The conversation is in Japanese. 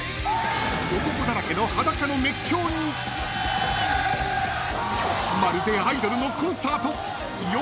［男だらけの裸の熱狂にまるでアイドルのコンサート！］え！